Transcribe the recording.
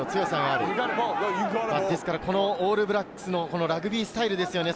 オールブラックスのラグビースタイルですよね。